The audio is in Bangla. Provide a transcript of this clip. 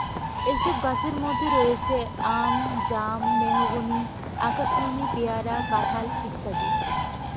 এসব গাছের মধ্যে রয়েছে, আম, জাম, মেহগনি, আকাশমণি, পেয়ারা, কাঁঠাল ইত্যাদি।